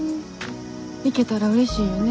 行けたらうれしいんよね。